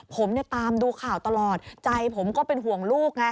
ผมตามดูข่าวตลอดใจผมก็เป็นห่วงลูก